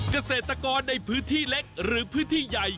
เกษตรกรในพื้นที่เล็กหรือพื้นที่ใหญ่